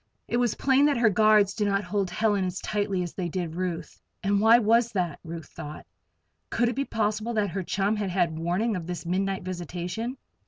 It was plain that her guards did not hold Helen as tightly as they did Ruth. And why was that? Ruth thought. Could it be possible that her chum had had warning of this midnight visitation?